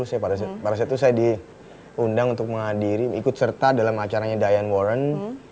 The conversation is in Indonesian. saya pada saat itu saya diundang untuk menghadiri ikut serta dalam acaranya diane warren